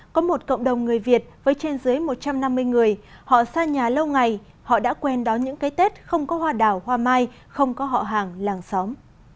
có một cộng đồng người việt với trên dưới một trăm năm mươi người họ xa nhà lâu ngày họ đã quen đón những cái tết không có hoa đào hoa mai không có họ hàng làng xóm